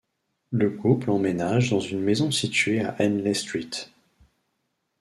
Le couple emménage dans une maison située à Henley Street.